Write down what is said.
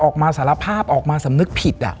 สารภาพออกมาสำนึกผิด